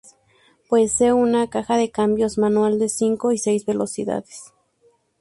Posee una caja de cambios manual de cinco y seis velocidades.